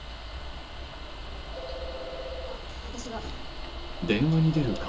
あっ私が。